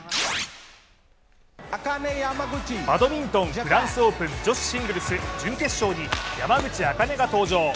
バドミントン、フランスオープン女子シングルス準決勝に山口茜が登場。